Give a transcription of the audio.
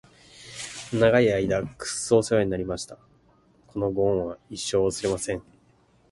長い間クソおせわになりました！！！このご恩は一生、忘れません！！